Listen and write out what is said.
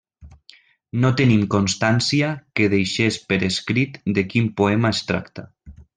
No tenim constància que deixés per escrit de quin poema es tracta.